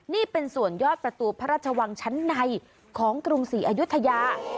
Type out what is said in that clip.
นี่เป็นส่วนยอดประตูพระราชวังชั้นในของกรุงศรีอายุทยา